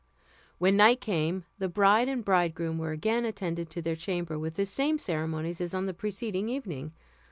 When night came, the bride and bridegroom were again attended to their chamber with the same ceremonies as on the preceding evening.